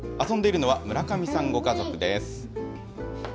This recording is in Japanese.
遊んでいるのは、村上さんご家族です。